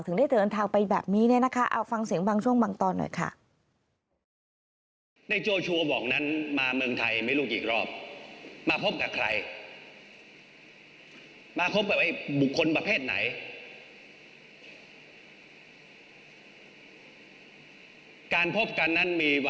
ได้เดินทางไปแบบนี้เนี่ยนะคะเอาฟังเสียงบางช่วงบางตอนหน่อยค่ะ